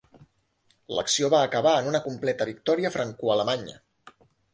L'acció va acabar en una completa victòria francoalemanya.